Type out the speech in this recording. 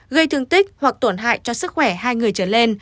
gây thương tích hoặc tổn hại cho sức khỏe hai người trở lên